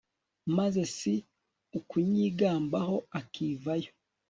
maze si ukunyigambaho, ukivayo